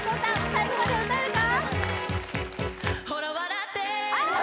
最後まで歌えるか？